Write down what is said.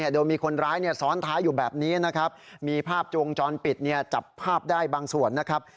โดยมีคนร้ายซ้อนท้ายอยู่แบบนี้นะครับมีภาพจวงจรปิดจับภาพได้บางส่วนนะครับ